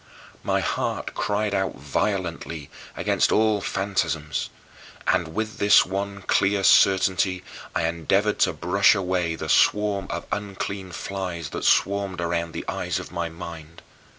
My heart cried out violently against all fantasms, and with this one clear certainty I endeavored to brush away the swarm of unclean flies that swarmed around the eyes of my mind.